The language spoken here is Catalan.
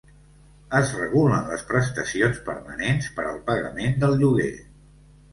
Es regulen les prestacions permanents per al pagament del lloguer.